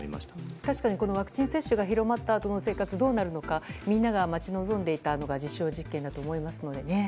確かにワクチン接種が広まったあとの生活どうなるのかみんなが待ち望んでいたのが実証実験だと思いますので。